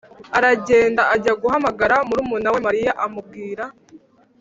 aragenda ajya guhamagara murumuna we Mariya amubwira